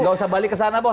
nggak usah balik ke sana bos